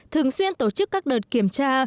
thường xuyên tổ chức các đợt kiểm tra